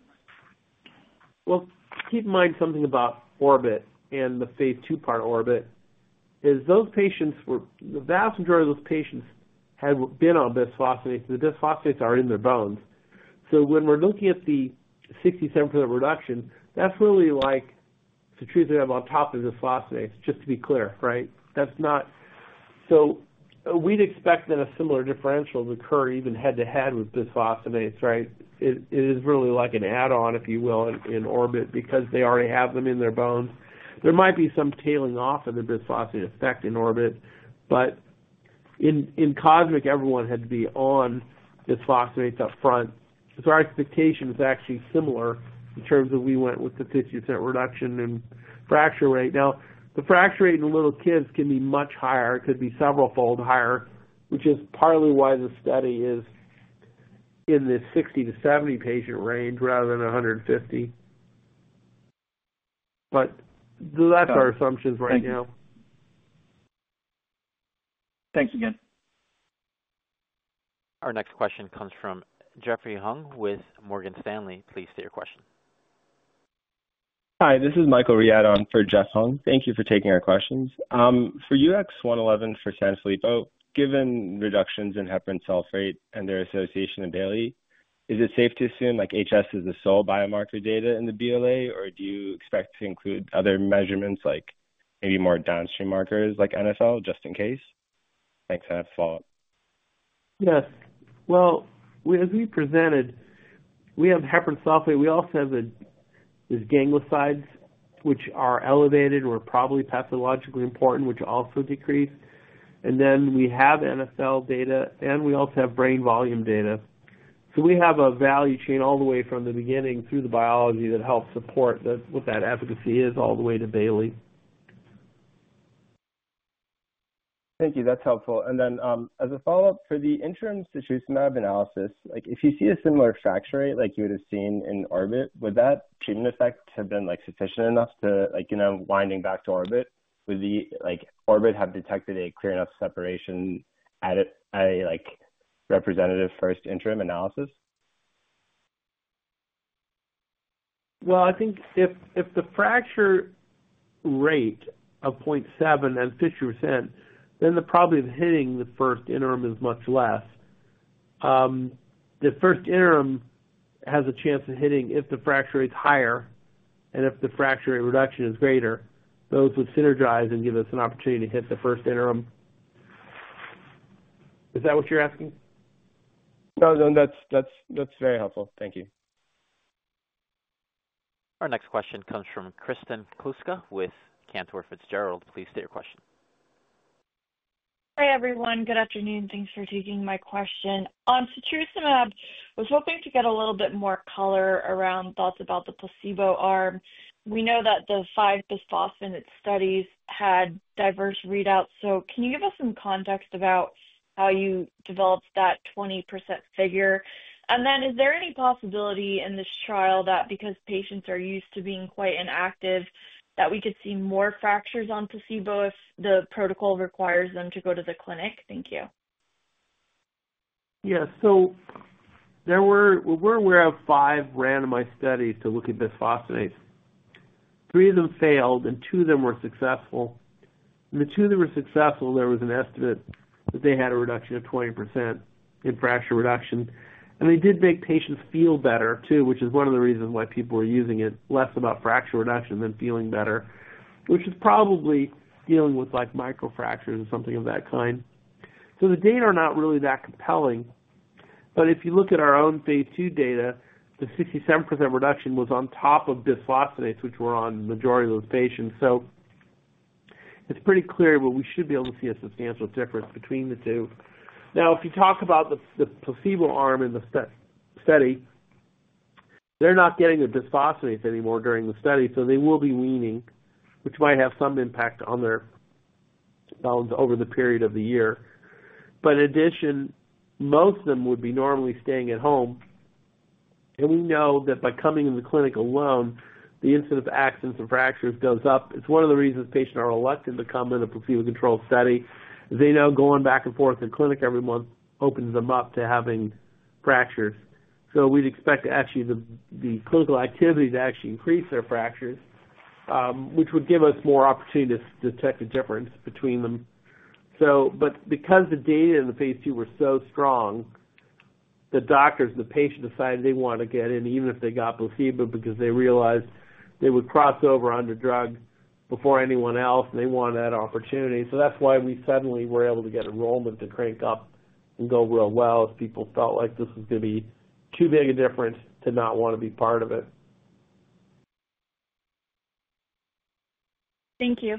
Keep in mind something about Orbit and the Phase II part. Orbit is those patients. The vast majority of those patients had been on bisphosphonates. The bisphosphonates are in their bones. So when we're looking at the 67% reduction, that's really like setrusumab on top of bisphosphonates, just to be clear, right? So we'd expect that a similar differential to occur even head to head with bisphosphonates, right? It is really like an add-on, if you will, in Orbit because they already have them in their bones. There might be some tailing off of the bisphosphonate effect in Orbit. But in Cosmic, everyone had to be on bisphosphonates up front. So our expectation is actually similar in terms of we went with the 50% reduction in fracture rate. Now, the fracture rate in little kids can be much higher. It could be several fold higher, which is partly why the study is in the 60-70 patient range rather than 150. But that's our assumptions right now. Thanks again. Our next question comes from Jeff Hung with Morgan Stanley. Please state your question. Hi. This is Michael Riad for Jeff Hung. Thank you for taking our questions. For UX111 for Sanfilippo, given reductions in heparan sulfate and their association in Bayley, is it safe to assume HS is the sole biomarker data in the BLA or do you expect to include other measurements like maybe more downstream markers like NfL just in case? Thanks. I have a follow-up. Yes, well, as we presented, we have heparan sulfate. We also have these gangliosides, which are elevated or probably pathologically important, which also decrease. Then we have NfL data and we also have brain volume data. So we have a value chain all the way from the beginning through the biology that helps support what that efficacy is all the way to Bayley. Thank you. That's helpful. Then as a follow-up for the interim setrusumab analysis, if you see a similar fracture rate like you would have seen in Orbit, would that treatment effect have been sufficient enough to winding back to Orbit? Would the Orbit have detected a clear enough separation at a representative first interim analysis? I think if the fracture rate of 0.7 and 50%, then the probability of hitting the first interim is much less. The first interim has a chance of hitting if the fracture rate's higher, and if the fracture rate reduction is greater, those would synergize and give us an opportunity to hit the first interim. Is that what you're asking? No, no. That's very helpful. Thank you. Our next question comes from Kristen Kluska with Cantor Fitzgerald. Please state your question. Hi, everyone. Good afternoon. Thanks for taking my question. On setrusumab, I was hoping to get a little bit more color around thoughts about the placebo arm. We know that the five bisphosphonate studies had diverse readouts. So can you give us some context about how you developed that 20% figure? Then is there any possibility in this trial that because patients are used to being quite inactive, that we could see more fractures on placebo if the protocol requires them to go to the clinic? Thank you. Yes. So we're aware of five randomized studies to look at bisphosphonates. Three of them failed and two of them were successful. The two that were successful, there was an estimate that they had a reduction of 20% in fracture reduction and they did make patients feel better too, which is one of the reasons why people were using it, less about fracture reduction than feeling better, which is probably dealing with microfractures or something of that kind. So the data are not really that compelling. But if you look at our own Phase II data, the 67% reduction was on top of bisphosphonates, which were on the majority of those patients. So it's pretty clear that we should be able to see a substantial difference between the two. Now, if you talk about the placebo arm in the study, they're not getting the bisphosphonates anymore during the study. They will be weaning, which might have some impact on their bones over the period of the year. In addition, most of them would be normally staying at home. We know that by coming in the clinic alone, the incidence of accidents and fractures goes up. It's one of the reasons patients are reluctant to come in a placebo-controlled study. They know going back and forth to clinic every month opens them up to having fractures. We'd expect actually the clinical activity to actually increase their fractures, which would give us more opportunity to detect the difference between them but because the data in the Phase II were so strong, the doctors and the patients decided they wanted to get in even if they got placebo because they realized they would cross over on the drug before anyone else. They wanted that opportunity. So that's why we suddenly were able to get enrollment to crank up and go real well if people felt like this was going to be too big a difference to not want to be part of it. Thank you.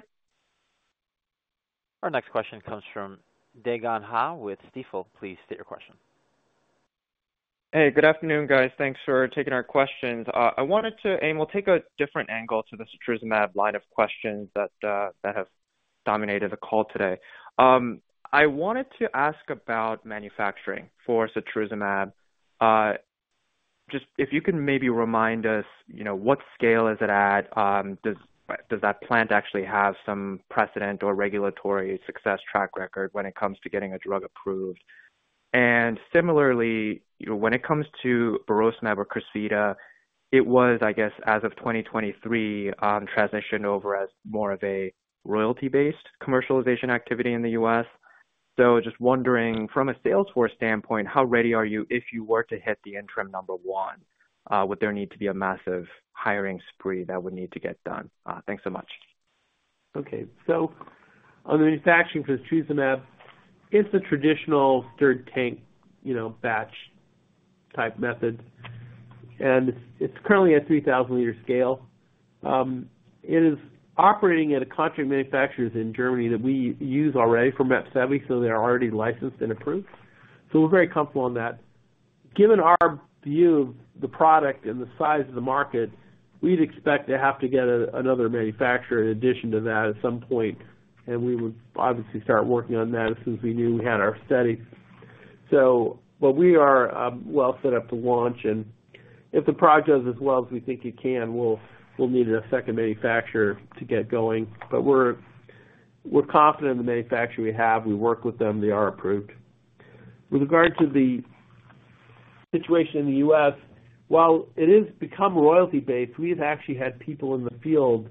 Our next question comes from Dae Gon Ha with Stifel. Please state your question. Hey. Good afternoon, guys. Thanks for taking our questions. I wanted to. We'll take a different angle to the setrusumab line of questions that have dominated the call today. I wanted to ask about manufacturing for setrusumab. Just if you can maybe remind us, what scale is it at? Does that plant actually have some precedent or regulatory success track record when it comes to getting a drug approved? Similarly, when it comes to burosumab or Crysvita, it was, I guess, as of 2023, transitioned over as more of a royalty-based commercialization activity in the U.S. So just wondering, from a sales force standpoint, how ready are you if you were to hit the interim number one? Would there need to be a massive hiring spree that would need to get done? Thanks so much. Okay. So on the manufacturing for setrusumab, it's a traditional stainless tank batch-type method and it's currently at 3,000-liter scale. It is operating at a contract manufacturer in Germany that we use already for Mepsevii. So they're already licensed and approved. So we're very comfortable on that. Given our view of the product and the size of the market, we'd expect to have to get another manufacturer in addition to that at some point and we would obviously start working on that as soon as we knew we had our study. So but we are well set up to launch and if the product does as well as we think it can, we'll need a second manufacturer to get going. But we're confident in the manufacturer we have. We work with them. They are approved. With regard to the situation in the U.S., while it has become royalty-based, we've actually had people in the field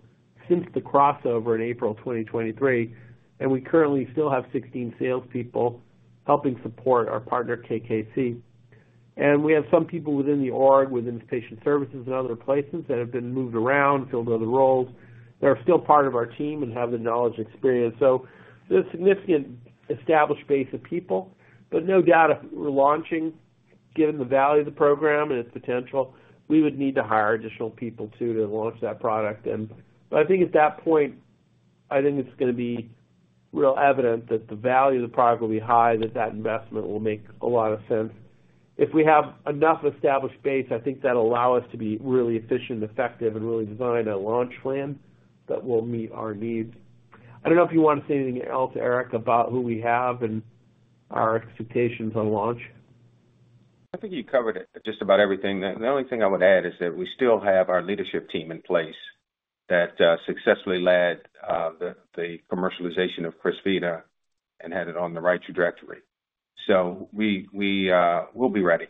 since the crossover in April 2023 and we currently still have 16 salespeople helping support our partner KKC. We have some people within the org, within patient services and other places that have been moved around, filled other roles. They're still part of our team and have the knowledge and experience. So there's a significant established base of people. But no doubt, if we're launching, given the value of the program and its potential, we would need to hire additional people too to launch that product. But I think at that point, I think it's going to be real evident that the value of the product will be high, that investment will make a lot of sense. If we have enough established base, I think that'll allow us to be really efficient and effective and really design a launch plan that will meet our needs. I don't know if you want to say anything else, Eric, about who we have and our expectations on launch. I think you covered just about everything. The only thing I would add is that we still have our leadership team in place that successfully led the commercialization of Crysvita and had it on the right trajectory. So we'll be ready.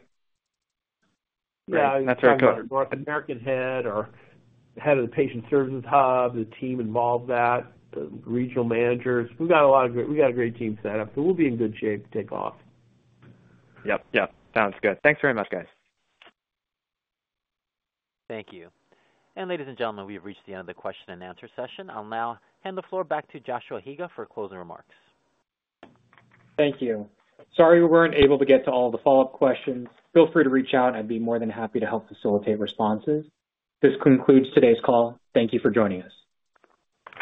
Yeah. I think we've got our North American head, our head of the patient services hub, the team involved, and the regional managers. We've got a great team set up. So we'll be in good shape to take off. Yep. Yep. Sounds good. Thanks very much, guys. Thank you, and ladies and gentlemen, we have reached the end of the question and answer session. I'll now hand the floor back to Joshua Higa for closing remarks. Thank you. Sorry we weren't able to get to all the follow-up questions. Feel free to reach out. I'd be more than happy to help facilitate responses. This concludes today's call. Thank you for joining us.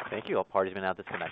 Thank you. All parties have been able to take their.